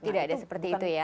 tidak ada seperti itu ya